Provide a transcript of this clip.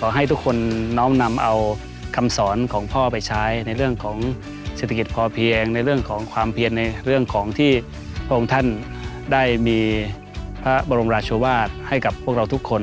ขอให้ทุกคนน้อมนำเอาคำสอนของพ่อไปใช้ในเรื่องของเศรษฐกิจพอเพียงในเรื่องของความเพียนในเรื่องของที่พระองค์ท่านได้มีพระบรมราชวาสให้กับพวกเราทุกคน